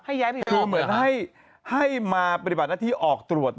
ก็คือเหมือนให้มาบริบาทหน้าที่ออกตรวจ